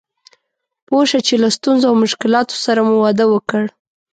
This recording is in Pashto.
پوه شه چې له ستونزو او مشکلاتو سره مو واده وکړ.